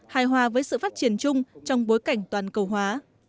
hài hòa với sự phát triển chung trong bối cảnh toàn cầu hóa